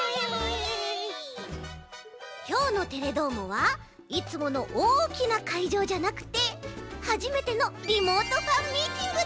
きょうの「テレどーも！」はいつものおおきなかいじょうじゃなくてはじめてのリモートファンミーティングだち！